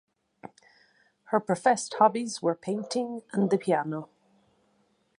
Her professed hobbies were painting and the piano.